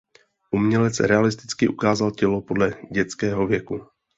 Umělec realisticky ukázal tělo podle dětského věku.